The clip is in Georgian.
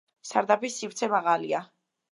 სარდაფის სივრცე მაღალია.